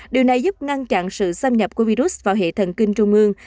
điều này giúp ngăn chặn sự xâm nhập của virus vào hệ thần kinh trung ương